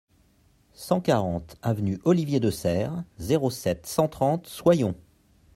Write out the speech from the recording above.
cent quarante avenue Olivier de Serres, zéro sept, cent trente, Soyons